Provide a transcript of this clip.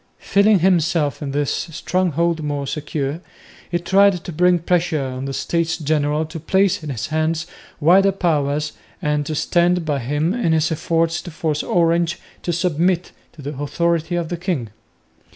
Feeling himself in this stronghold more secure, he tried to bring pressure on the States General to place in his hands wider powers and to stand by him in his efforts to force Orange to submit to the authority of the king.